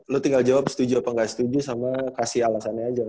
lu tinggal jawab setuju apa nggak setuju sama kasih alasannya aja